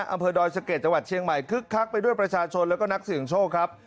อำเภอดอยสะเก็ดจังหวัดเชียงใหม่คึกคักไปด้วยประชาชนแล้วก็นักเสี่ยงโชคครับ